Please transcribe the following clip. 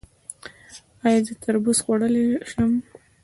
ایا زه تربوز خوړلی شم؟